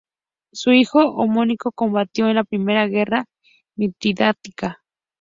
Su hijo homónimo combatió en la primera guerra mitridática.